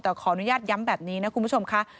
แต่ขออนุญาตย้ำแบบนี้นะคุณผู้ชมค่ะ